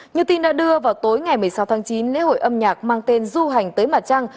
như tin đã đưa vào tối ngày một mươi sáu tháng chín lễ hội âm nhạc mang tên du hành tới mặt trăng